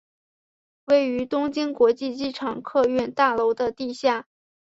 位于东京国际机场客运大楼的地下。